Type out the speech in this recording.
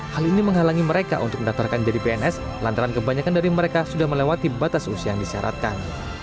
hal ini menghalangi mereka untuk mendaftarkan jadi pns lantaran kebanyakan dari mereka sudah melewati batas usia yang disyaratkan